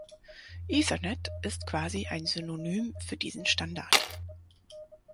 Ethernet ist quasi ein Synonym für diesen Standard.